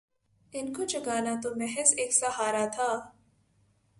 ان کا جگانا تو محض ایک سہارا تھا